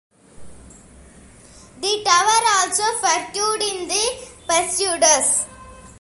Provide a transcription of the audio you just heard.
The tower also featured in The Persuaders!